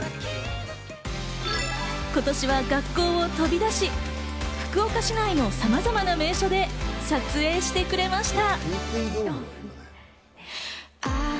今年は学校を飛び出し、福岡市内のさまざまな名所で撮影してくれました。